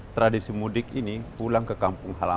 tradisi mudik ini pulang ke kampung halaman